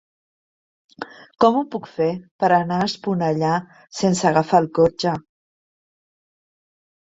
Com ho puc fer per anar a Esponellà sense agafar el cotxe?